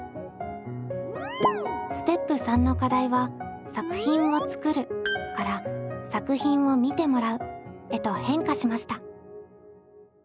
ステップ３の課題は「作品を作る」から「作品を見てもらう」へと変化しました。